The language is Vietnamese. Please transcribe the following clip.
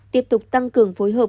tiếp tục tăng cường phối hợp